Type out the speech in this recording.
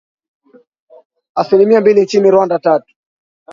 Asilimia mbili nchini Rwanda, tatu.